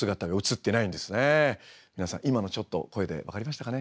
皆さん今のちょっと声で分かりましたかね。